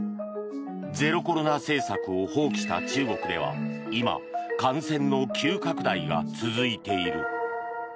ゼロコロナ政策を放棄した中国では今、感染の急拡大が続いている。